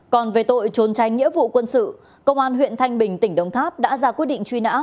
còn về tội trốn tránh nghĩa vụ quân sự công an huyện thanh bình tỉnh đồng tháp đã ra quyết định truy nã